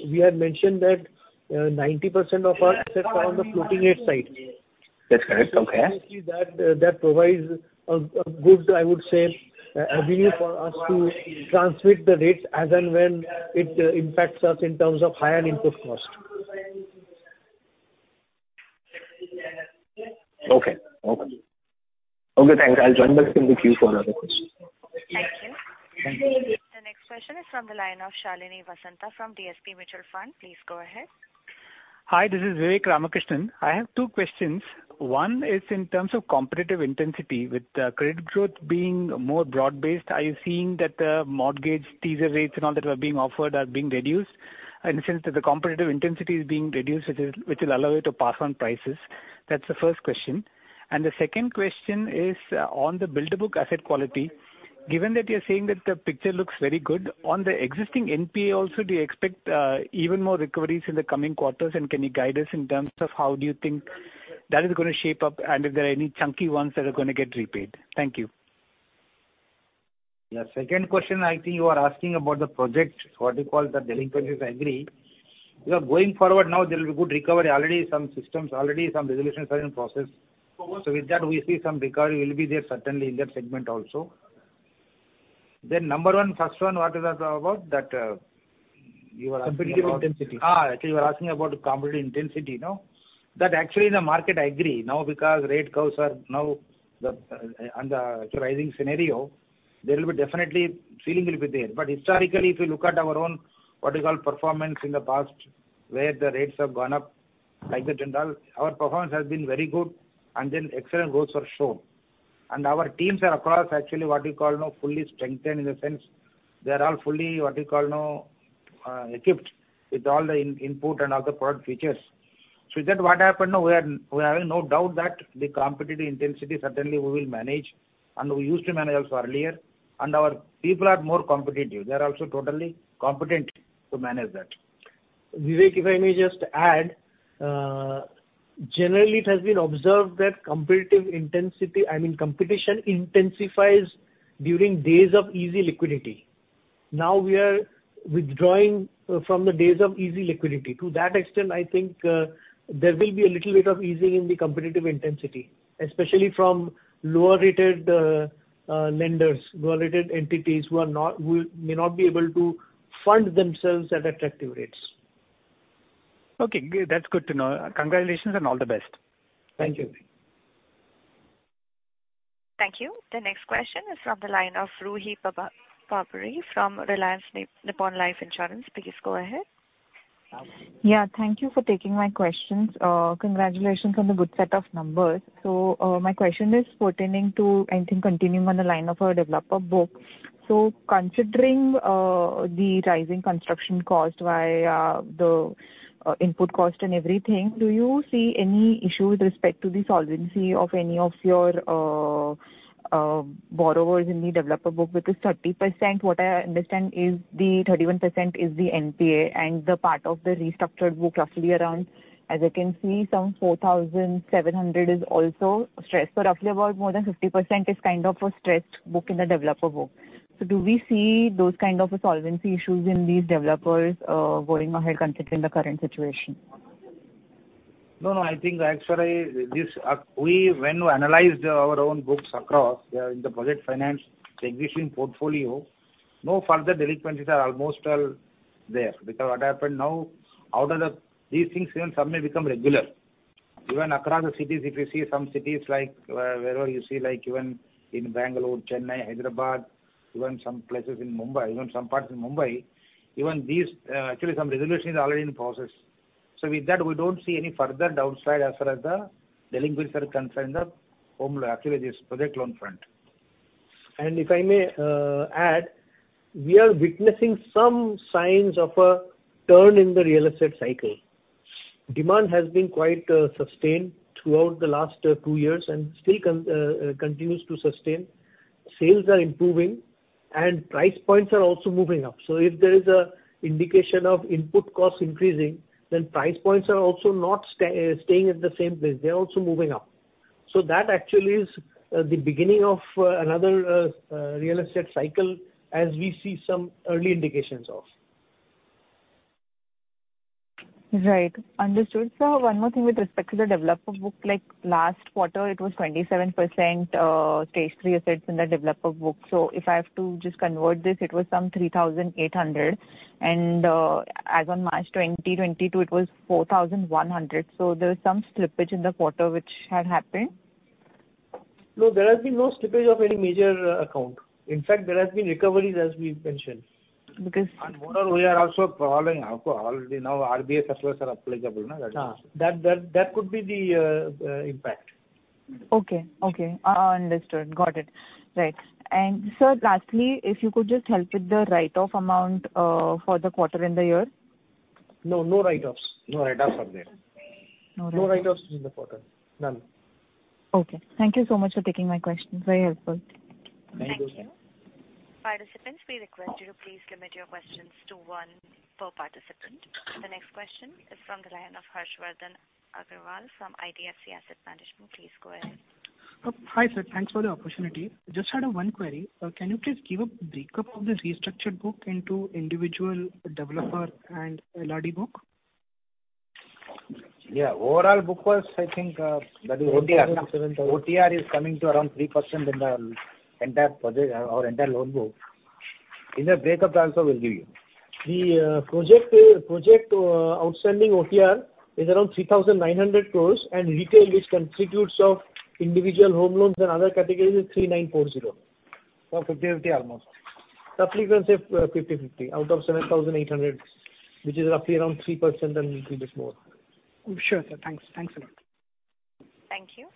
C: We had mentioned that, 90% of our assets are on the floating rate side.
J: That's correct. Okay.
C: Obviously that provides a good, I would say, an avenue for us to transmit the rates as and when it impacts us in terms of higher input cost.
J: Okay, thanks. I'll join back in the queue for another question.
A: Thank you.
J: Thank you.
A: The next question is from the line of Shalini Vasanta from DSP Mutual Fund. Please go ahead.
K: Hi, this is Vivek Ramakrishnan. I have two questions. One is in terms of competitive intensity. With credit growth being more broad-based, are you seeing that the mortgage teaser rates and all that were being offered are being reduced? In the sense that the competitive intensity is being reduced, which will allow you to pass on prices. That's the first question. And the second question is on the builder book asset quality. Given that you're saying that the picture looks very good, on the existing NPA also, do you expect even more recoveries in the coming quarters? And can you guide us in terms of how do you think that is gonna shape up, and if there are any chunky ones that are gonna get repaid? Thank you.
C: Your second question, I think you are asking about the project, what you call the delinquencies, I agree. Yeah, going forward now there will be good recovery. Already some systems, already some resolutions are in process. With that we see some recovery will be there certainly in that segment also. Number one, first one, what is that about? That, you are asking about-
K: Competitive intensity.
C: Actually you are asking about competitive intensity, no. That actually the market I agree now because rate curves are now on the rising scenario. There will definitely be feeling there. Historically, if you look at our own, what you call, performance in the past where the rates have gone up like that in general, our performance has been very good and then excellent growth was shown. Our teams are across actually what you call now fully strengthened in the sense they are all fully, what you call now, equipped with all the input and other product features. With that what happen now we are having no doubt that the competitive intensity certainly we will manage, and we used to manage also earlier. Our people are more competitive. They are also totally competent to manage that.
J: Vivek, if I may just add, generally it has been observed that competitive intensity, I mean, competition intensifies during days of easy liquidity. Now we are withdrawing from the days of easy liquidity. To that extent, I think, there will be a little bit of easing in the competitive intensity, especially from lower rated lenders, lower rated entities who may not be able to fund themselves at attractive rates.
K: Okay, that's good to know. Congratulations and all the best.
C: Thank you.
A: Thank you. The next question is from the line of Ruchi Babbar from Reliance Nippon Life Insurance. Please go ahead.
L: Yeah, thank you for taking my questions. Congratulations on the good set of numbers. My question is pertaining to, I think, continuing on the line of our developer book. Considering the rising construction cost via the input cost and everything, do you see any issue with respect to the solvency of any of your borrowers in the developer book, because 30%, what I understand is the 31% is the NPA and the part of the restructured book roughly around, as I can see, some 4,700 is also stressed. Roughly about more than 50% is kind of a stressed book in the developer book. Do we see those kind of a solvency issues in these developers going ahead considering the current situation?
C: No, no, I think actually this, we when we analyzed our own books across, in the project finance existing portfolio, no further delinquencies are almost there because what happened now out of the these things even some may become regular. Even across the cities if you see some cities like, wherever you see like even in Bangalore, Chennai, Hyderabad, even some places in Mumbai, even some parts in Mumbai, even these, actually some resolution is already in process. With that, we don't see any further downside as far as the delinquencies are concerned, the home loan, actually this project loan front.
E: If I may add, we are witnessing some signs of a turn in the real estate cycle. Demand has been quite sustained throughout the last two years and still continues to sustain. Sales are improving and price points are also moving up. If there is an indication of input costs increasing, then price points are also not staying at the same place. They are also moving up. That actually is the beginning of another real estate cycle as we see some early indications of.
L: Right. Understood. One more thing with respect to the developer book, like last quarter it was 27% stage three assets in the developer book. If I have to just convert this, it was some 3,800 and, as on March 2022, it was 4,100. There was some slippage in the quarter which had happened.
E: No, there has been no slippage of any major account. In fact, there has been recoveries as we mentioned.
L: Because-
C: Moreover, we are also following up on RBS as well as IRAC, which are applicable now.
E: That could be the impact.
L: Okay. Understood. Got it. Right. Sir, lastly, if you could just help with the write-off amount for the quarter and the year.
E: No write-offs. No write-offs are there.
L: No write-offs.
E: No write-offs in the quarter. None.
L: Okay. Thank you so much for taking my questions. Very helpful.
E: Thank you.
C: Thank you.
A: Participants, we request you to please limit your questions to one per participant. The next question is from the line of Harshvardhan Agarwal from IDFC Asset Management. Please go ahead.
M: Hi, sir. Thanks for the opportunity. Just have one query. Can you please give a break-up of this restructured book into individual, developer and LRD book?
C: Yeah. Overall book was, I think, that is OTR. OTR is coming to around 3% in the entire portfolio or entire loan book. In the breakdown, also we'll give you.
E: The project outstanding OTR is around 3,900 crore and retail which constitutes of individual home loans and other categories is 3,940 crore.
C: 50-50 almost.
E: Roughly, you can say 50/50 out of 7,800, which is roughly around 3% and a little bit more.
M: Sure, sir. Thanks. Thanks a lot.
A: Thank you.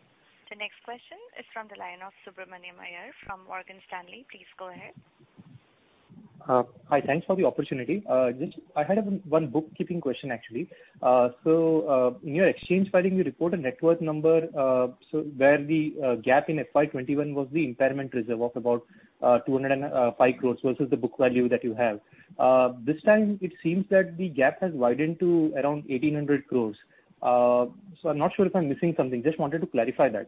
A: The next question is from the line of Subramanian Iyer from Morgan Stanley. Please go ahead.
N: Hi. Thanks for the opportunity. Just, I had one bookkeeping question, actually. In your exchange filing, you report a net worth number, so where the gap in FY 2021 was the impairment reserve of about 205 crores versus the book value that you have. This time it seems that the gap has widened to around 1,800 crores. I'm not sure if I'm missing something. Just wanted to clarify that.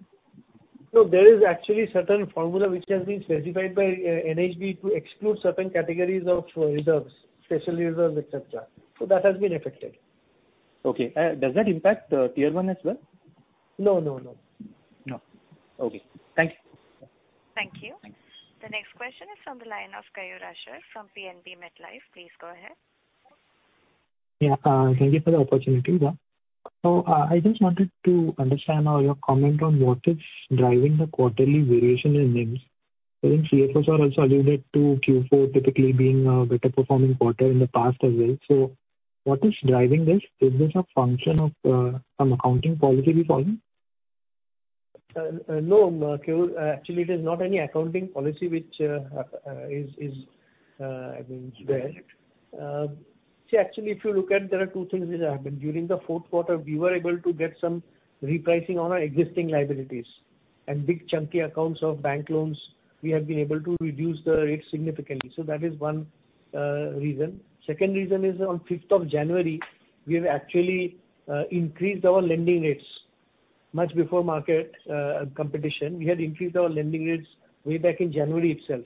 E: No, there is actually certain formula which has been specified by NHB to exclude certain categories of reserves, special reserves, et cetera. That has been affected.
N: Okay. Does that impact Tier 1 as well?
E: No, no.
N: No. Okay. Thank you.
A: Thank you.
N: Thanks.
A: The next question is from the line of Kayur Asher from PNB MetLife. Please go ahead.
O: Yeah. Thank you for the opportunity. I just wanted to understand your comment on what is driving the quarterly variation in NIMs. I think CFOs are also alluded to Q4 typically being a better performing quarter in the past as well. What is driving this? Is this a function of some accounting policy we follow?
E: No, Kayur. Actually, it is not any accounting policy which is, I mean.
O: Yes.
E: See, actually, if you look at it, there are two things which happened. During the fourth quarter, we were able to get some repricing on our existing liabilities and big chunky accounts of bank loans we have been able to reduce the rates significantly. That is one reason. Second reason is on fifth of January, we have actually increased our lending rates much before market competition. We had increased our lending rates way back in January itself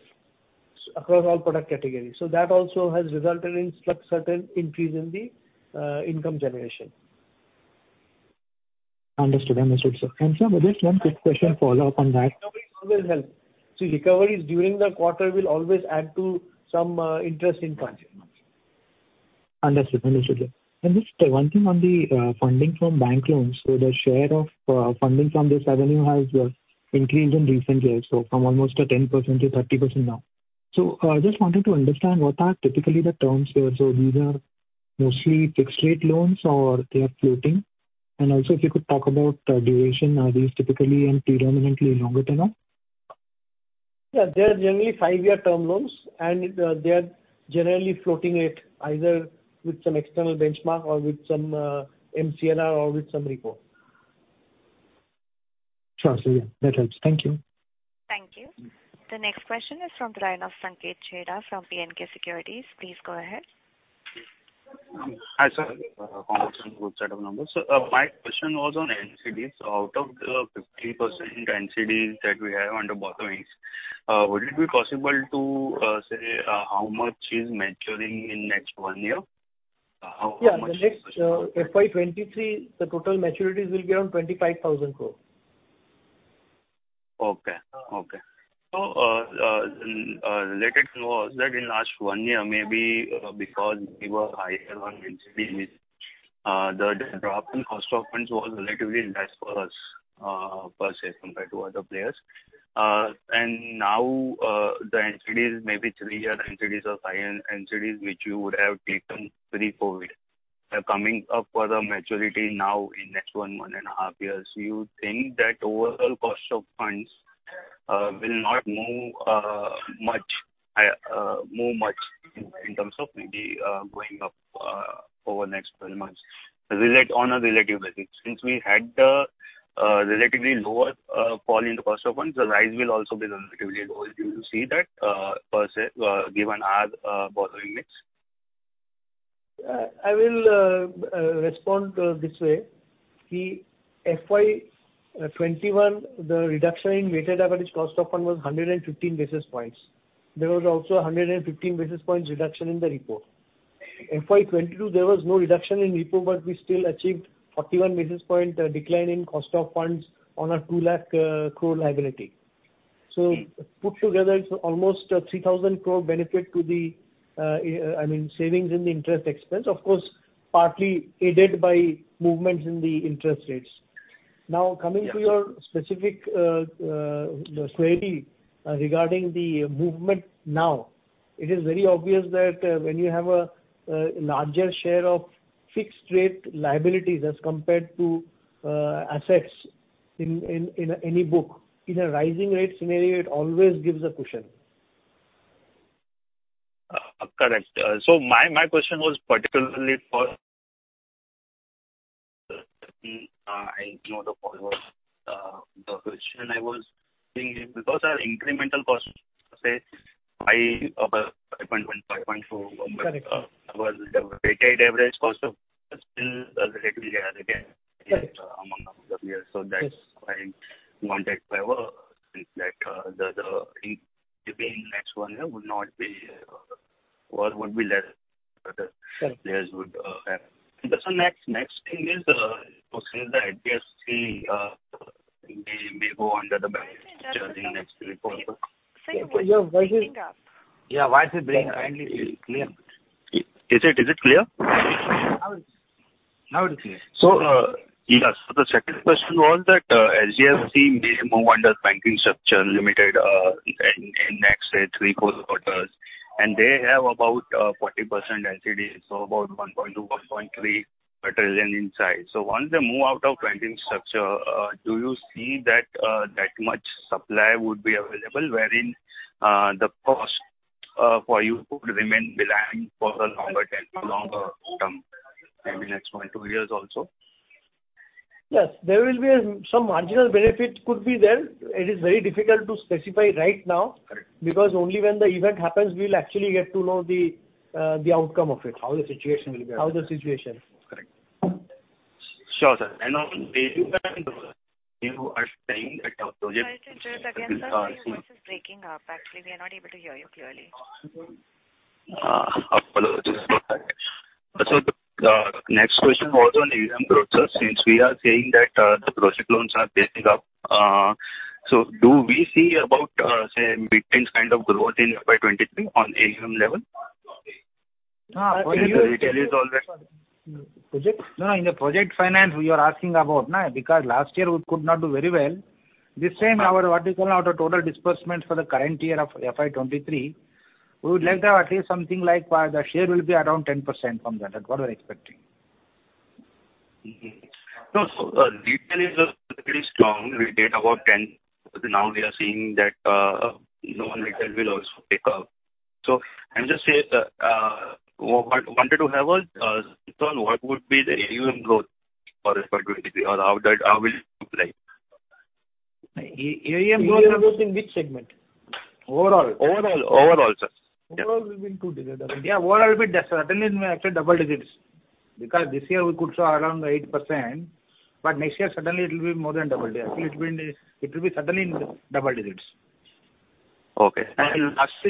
E: across all product categories. That also has resulted in certain increase in the income generation.
O: Understood. Understood, sir. Sir, just one quick question to follow up on that.
E: Recoveries always help. See, recoveries during the quarter will always add to some interest in
O: Understood, yeah. Just one thing on the funding from bank loans. The share of funding from this avenue has increased in recent years, so from almost 10% to 30% now. Just wanted to understand what are typically the terms here. These are mostly fixed rate loans or they are floating. Also if you could talk about duration, are these typically and predominantly longer tenure?
E: Yeah. They are generally five-year term loans, and they are generally floating it either with some external benchmark or with some MCLR or with some repo.
O: Sure, sir. Yeah. That helps. Thank you.
A: Thank you. The next question is from the line of Sanket Chheda from DAM Capital. Please go ahead.
P: Hi, sir. Congratulations on good set of numbers. My question was on NCDs. Out of the 15% NCD that we have under borrowings
C: Would it be possible to say how much is maturing in next 1 year? How much-
E: The next FY 2023, the total maturities will be around 25,000 crore.
C: Okay. Related to that, in last one year, maybe, because we were higher on NCDs, the drop in cost of funds was relatively less for us, per se, compared to other players. Now, the NCDs, maybe three-year NCDs or five-year NCDs which you would have taken pre-COVID are coming up for the maturity now in next one and a half years. Do you think that overall cost of funds will not move much in terms of maybe going up over next twelve months on a relative basis? Since we had the relatively lower fall in the cost of funds, the rise will also be relatively low. Do you see that, per se, given our borrowing mix?
E: I will respond this way. The FY 21, the reduction in weighted average cost of fund was 115 basis points. There was also a 115 basis points reduction in the repo. FY 22, there was no reduction in repo, but we still achieved 41 basis point decline in cost of funds on our 200,000 crore liability.
P: Mm-hmm.
E: Put together, it's almost 3,000 crore benefit to the, I mean, savings in the interest expense. Of course, partly aided by movements in the interest rates.
P: Yeah.
E: Now, coming to your specific query regarding the movement now, it is very obvious that, when you have a larger share of fixed rate liabilities as compared to assets in any book, in a rising rate scenario, it always gives a cushion.
P: Correct. My question was particularly for. I know the call was. The question I was thinking because our incremental cost, say, high of 0.1%-0.4%.
E: Correct.
P: Was the weighted average cost of still relatively higher again.
E: Yes.
P: among the peers.
E: Yes.
P: that's why I wanted to have a sense that, maybe in next one year would not be, or would be less than other-
E: Sure.
P: Players would have. Also, next thing is to see if the HDFC may go under the banking structure in next report.
A: Sir, your voice is breaking up.
E: Yeah.
A: Breaking up.
E: Yeah. Voice is breaking. Kindly, clear.
D: Is it clear?
A: Now it is.
E: Now it is clear.
Q: Yes. The second question was that HDFC may move under banking structure limited in next, say, three quarters. They have about 40% NCD, so about 1.2-1.3 trillion in size. Once they move out of banking structure, do you see that that much supply would be available wherein the cost for you could remain benign for a longer term, maybe next 1-2 years also?
E: Yes. Some marginal benefit could be there. It is very difficult to specify right now.
P: Correct.
E: Because only when the event happens, we will actually get to know the outcome of it.
P: How the situation will be?
E: How the situation.
P: Correct. Sure, sir. On the AUM growth, you are saying that your-
A: Sorry to interrupt again, sir. Your voice is breaking up. Actually, we are not able to hear you clearly.
P: Sir, the next question was on AUM growth, sir. Since we are saying that the project loans are getting up, so do we see about, say, mid-teens kind of growth in FY 2023 on AUM level?
E: No. Project
A: Can you?
P: It is already.
E: Projects? No, no. In the project finance you are asking about, right? Because last year we could not do very well. This time our, what you call, our total disbursements for the current year of FY 2023, we would like to have at least something like, the share will be around 10% from that. That's what we're expecting.
P: No, retail is pretty strong. We did about 10%. Now we are seeing that loan against PL will also pick up. I'm just saying wanted to have a sense on what would be the AUM growth for FY 2023 or how will it look like?
E: AUM growth
A: AUM growth in which segment?
E: Overall.
P: Overall, sir. Yeah.
E: Overall will be in two digits. Yeah, overall will be definitely in, actually double digits because this year we could show around 8%, but next year suddenly it will be more than double digit. Actually it will be suddenly in double digits.
P: Okay. Lastly,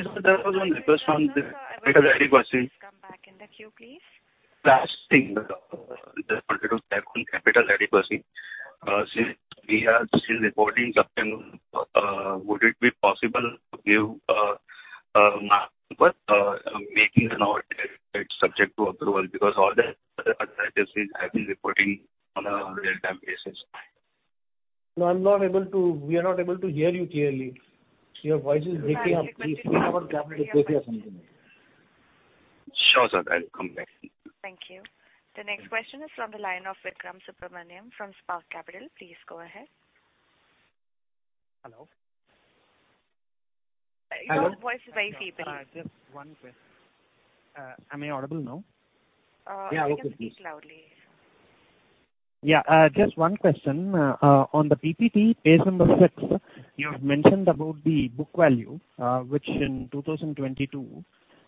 P: sir, there was one request on the capital adequacy.
A: Come back in the queue, please.
P: Last thing, just wanted to check on capital adequacy. Since we are still reporting September, would it be possible to give a mark-to-market subject to audit approval because all the other banks have been reporting on a real-time basis.
E: No, I'm not able to. We are not able to hear you clearly. Your voice is breaking up. Please speak a little bit louder so we can hear.
P: Sure, sir. I will come back.
A: Thank you. The next question is from the line of Vikram Subramanian from Spark Capital. Please go ahead.
R: Hello?
A: Your voice is very feeble.
P: Am I audible now?
R: Yeah, audible.
A: You can speak loudly.
R: Yeah. Just one question. On the PPT, page number 6, you have mentioned about the book value, which in 2022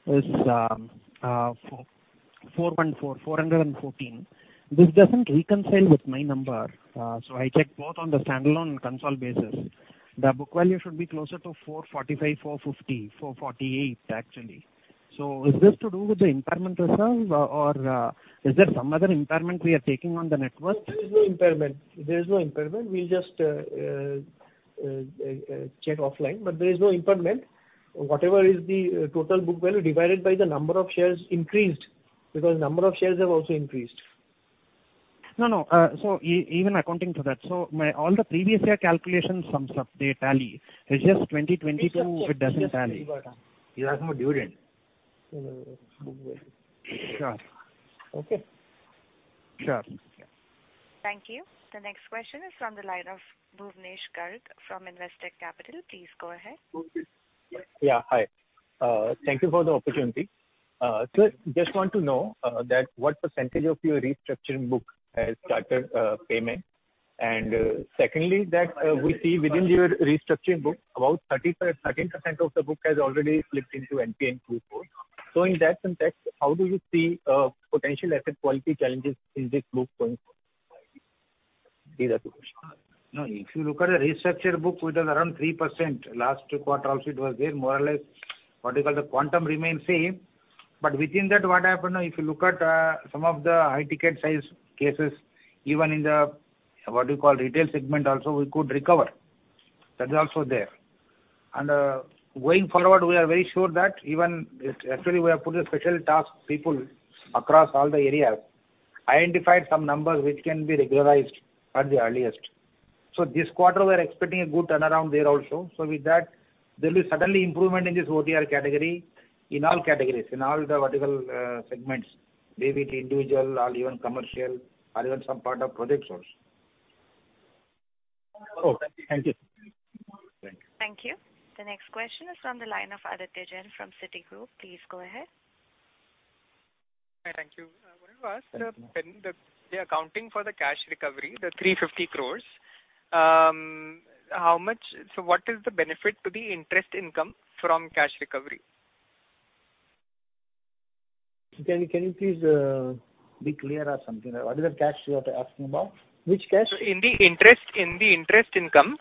R: is 4.4, 414. This doesn't reconcile with my number. I checked both on the standalone and consolidated basis. The book value should be closer to 445, 450, 448 actually. Is this to do with the impairment reserve or is there some other impairment we are taking on the net worth?
E: There is no impairment. We'll just check offline, but there is no impairment. Whatever is the total book value divided by the number of shares increased because number of shares have also increased.
R: No, no. Even accounting for that. My all the previous year calculations sums up, they tally. It's just 2022-
E: It's just-
R: It doesn't tally.
E: You're asking for dividend.
R: Sure.
E: Okay?
R: Sure.
A: Thank you. The next question is from the line of Bhuvnesh Garg from Investec Capital. Please go ahead.
E: Okay.
S: Yeah. Hi. Thank you for the opportunity. Just want to know that what percentage of your restructuring book has started payment. Secondly, that we see within your restructuring book, about 35.13% of the book has already flipped into NPA 24. In that context, how do you see potential asset quality challenges in this book going forward? These are two questions.
E: No, if you look at the restructured book, it was around 3%. Last quarter also it was there more or less. What you call the quantum remains same. Within that, what happened now if you look at, some of the high ticket size cases, even in the, what do you call, retail segment also we could recover. That is also there. Going forward, we are very sure that even actually we have put a special task people across all the areas, identified some numbers which can be regularized at the earliest. This quarter we're expecting a good turnaround there also. With that there will be suddenly improvement in this OTR category in all categories, in all the vertical, segments, be it individual or even commercial or even some part of project source.
S: Oh, thank you. Thank you.
A: Thank you. The next question is from the line of Aditya Jain from Citigroup. Please go ahead.
T: Hi. Thank you. I want to ask when the accounting for the cash recovery, the 350 crore, how much. What is the benefit to the interest income from cash recovery?
E: Can you please be clear or something? What is the cash you are asking about? Which cash?
T: In the interest income,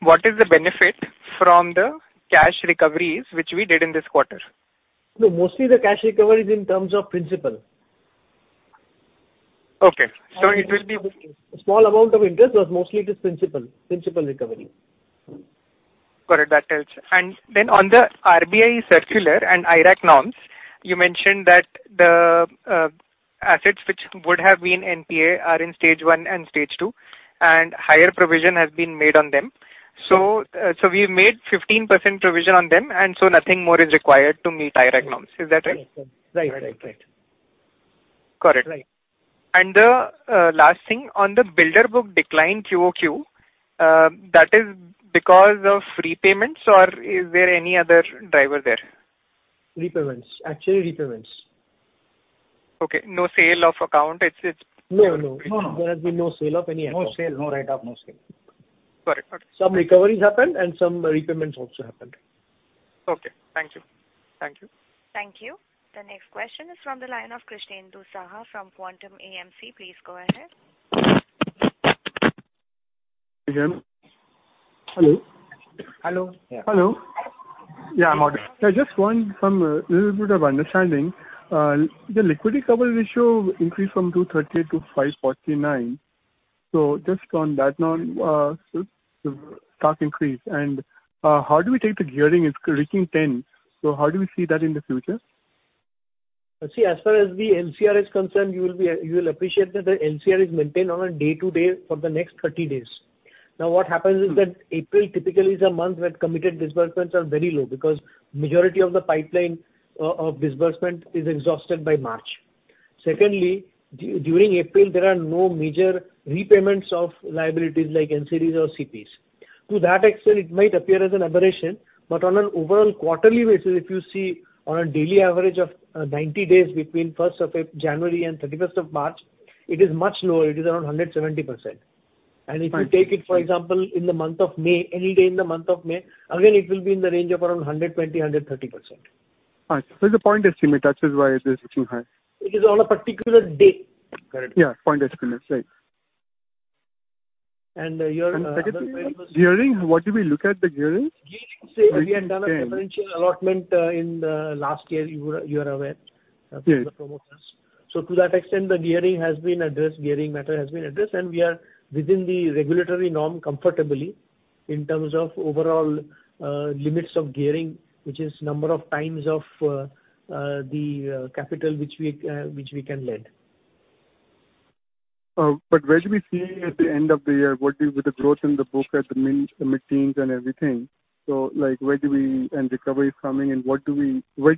T: what is the benefit from the cash recoveries which we did in this quarter?
E: No, mostly the cash recovery is in terms of principal.
T: Okay. It will be.
E: Small amount of interest, but mostly it is principal recovery.
T: Got it. That helps. Then on the RBI circular and IRAC norms, you mentioned that the assets which would have been NPA are in stage one and stage two, and higher provision has been made on them. We made 15% provision on them, and so nothing more is required to meet IRAC norms. Is that right?
E: Right.
T: Got it.
E: Right.
T: The last thing on the builder book decline QOQ, that is because of repayments or is there any other driver there?
E: Actually repayments.
T: Okay. No sale of account. It's.
E: No, no.
T: No, no.
E: There has been no sale of any account.
T: No sale. No write off, no sale. Got it. Got it.
E: Some recoveries happened and some repayments also happened.
T: Okay. Thank you. Thank you.
A: Thank you. The next question is from the line of Krishnendu Saha from Quantum AMC. Please go ahead.
U: Hello.
E: Hello.
U: Hello.
E: Yeah.
U: Yeah. I'm okay. I just want some little bit of understanding. The liquidity coverage ratio increased from 230 to 549. Just on that note, sharp increase. How do we take the gearing? It's reaching 10. How do we see that in the future?
E: See, as far as the LCR is concerned, you will appreciate that the LCR is maintained on a day-to-day for the next 30 days. Now, what happens is that April typically is a month where committed disbursements are very low because majority of the pipeline of disbursement is exhausted by March. Secondly, during April, there are no major repayments of liabilities like NCDs or CPs. To that extent, it might appear as an aberration. On an overall quarterly basis, if you see on a daily average of 90 days between first of January and thirty-first of March, it is much lower. It is around 170%.
U: Right.
E: If you take it, for example, in the month of May, any day in the month of May, again, it will be in the range of around 120-130%.
U: Right. It's a point estimate. That is why it is reaching high.
E: It is on a particular day. Correct.
U: Yeah. Point estimate. Right.
E: You're-
U: Secondly, gearing, what do we look at the gearing?
E: Gearing, say we had done a preferential allotment in the last year, you are aware-
U: Yes
E: from the promoters. To that extent the gearing matter has been addressed and we are within the regulatory norm comfortably in terms of overall limits of gearing, which is number of times of the capital which we can lend.
U: Where do we see at the end of the year? With the growth in the book at the mid-teens and everything, recovery is coming and where do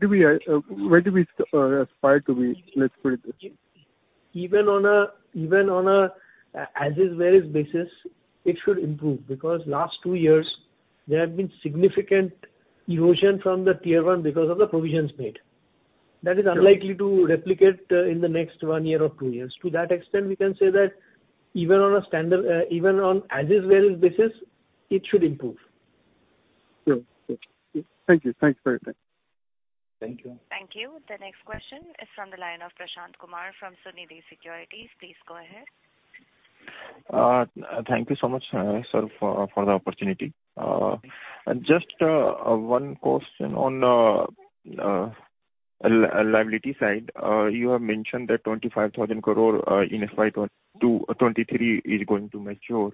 U: we aspire to be? Let's put it this way.
E: Even on an as is where is basis, it should improve because last two years there have been significant erosion from the tier one because of the provisions made.
U: Sure.
E: That is unlikely to replicate, in the next one year or two years. To that extent, we can say that even on a standard, even on as is where is basis, it should improve.
U: Sure. Thank you. Thanks for your time.
C: Thank you.
A: Thank you. The next question is from the line of Prashant Kumar from Sunidhi Securities. Please go ahead.
V: Thank you so much, sir, for the opportunity. Just one question on liability side. You have mentioned that 25,000 crore in FY 2022-23 is going to mature.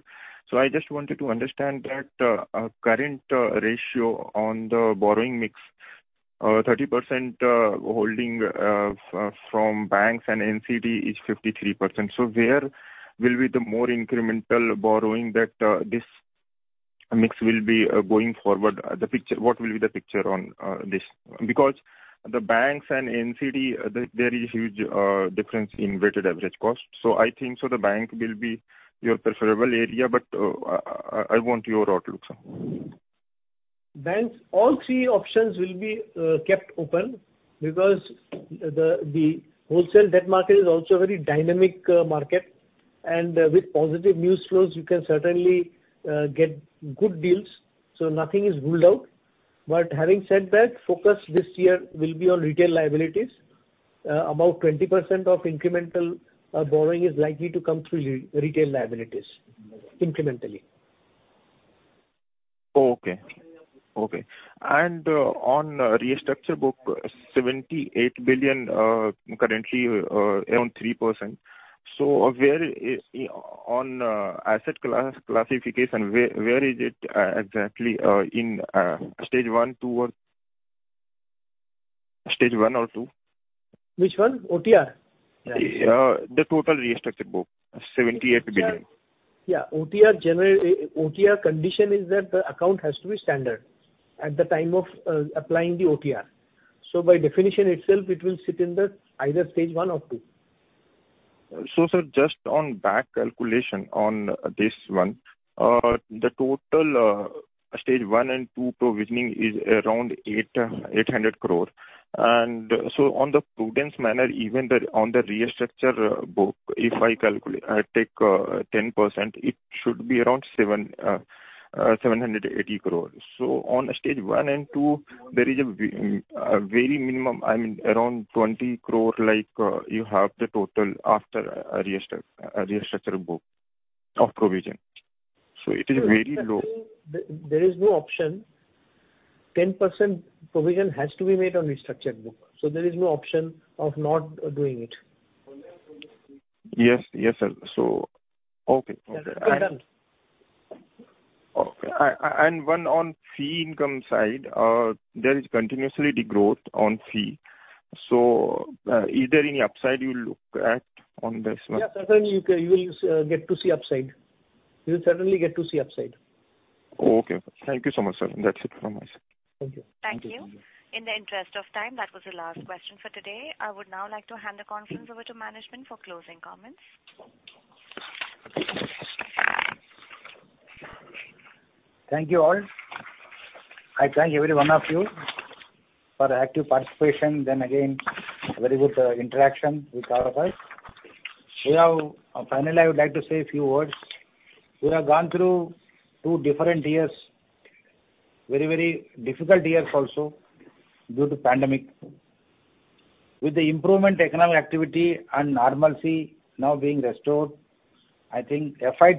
V: I just wanted to understand that current ratio on the borrowing mix, 30% holding from banks and NCD is 53%. Where will be the more incremental borrowing that this mix will be going forward? What will be the picture on this? Because the banks and NCD, there is huge difference in weighted average cost. I think the bank will be your preferable area, but I want your outlook, sir.
C: Banks, all three options will be kept open because the wholesale debt market is also a very dynamic market. With positive news flows you can certainly get good deals. Nothing is ruled out. Having said that, focus this year will be on retail liabilities. About 20% of incremental borrowing is likely to come through retail liabilities incrementally.
V: On restructured book, 78 billion currently around 3%. Where is it on asset classification? Where is it exactly in stage one or two?
C: Which one? OTR?
V: Yeah. The total restructure book, 78 billion.
C: Yeah. OTR generally, OTR condition is that the account has to be standard at the time of applying the OTR. By definition itself, it will sit in either stage one or two.
V: Sir, just on back calculation on this one. The total stage one and two provisioning is around 800 crore. On the prudent manner, even on the restructure book, if I calculate, take 10%, it should be around 780 crore. On stage one and two, there is a very minimum, I mean, around 20 crore, like, you have the total after a restructure book of provision. It is very low.
C: There is no option. 10% provision has to be made on restructure book. There is no option of not doing it.
V: Yes. Yes, sir. Okay. Okay.
C: It's well done.
V: One on fee income side. There is continuously degrowth on fee. Is there any upside you look at on this one?
C: Yeah, certainly you can. You will get to see upside. You will certainly get to see upside.
W: Okay. Thank you so much, sir. That's it from my side.
C: Thank you.
A: Thank you. In the interest of time, that was the last question for today. I would now like to hand the conference over to management for closing comments.
C: Thank you all. I thank every one of you for active participation, then again, very good interaction with all of us. Finally, I would like to say a few words. We have gone through two different years, very, very difficult years also due to pandemic. With the improvement economic activity and normalcy now being restored, I think FY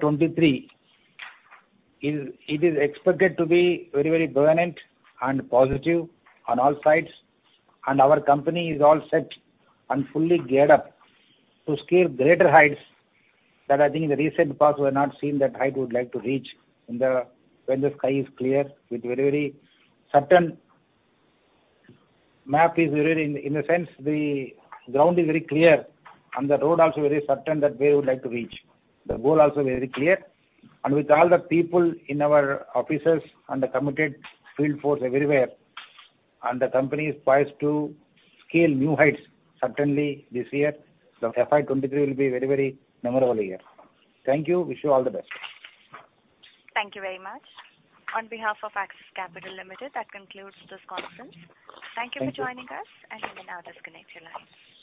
C: 2023 is expected to be very, very buoyant and positive on all sides, and our company is all set and fully geared up to scale greater heights that I think in the recent past we have not seen that height we would like to reach when the sky is clear with very, very certain map is very in a sense the ground is very clear and the road also very certain that way we would like to reach. The goal also very clear. With all the people in our offices and the committed field force everywhere, and the company is poised to scale new heights certainly this year. FY 2023 will be very, very memorable year. Thank you. Wish you all the best.
A: Thank you very much. On behalf of Axis Capital Limited, that concludes this conference.
C: Thank you.
A: Thank you for joining us, and you may now disconnect your lines.